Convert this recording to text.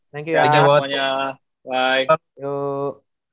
thank you ya semuanya